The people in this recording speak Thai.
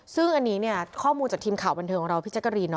ซึ่งอันนี้เนี่ยข้อมูลจากทีมข่าวบันเทิงของเราพี่แจ๊กรีน